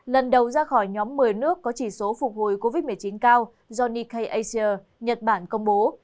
lần đầu ra khỏi nhóm một mươi nước có chỉ số phục hồi covid một mươi chín cao do nica asia nhật bản công bố